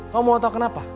kamu mau tau kenapa